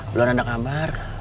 belum ada kabar